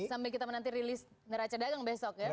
sambil kita nanti rilis raca dagang besok ya